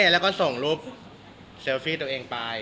แล้วก็ส่งรูปเซลฟี่ตัวเองไป